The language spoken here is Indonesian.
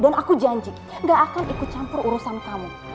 dan aku janji gak akan ikut campur urusan kamu